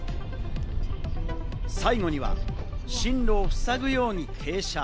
最後には進路をふさぐように停車。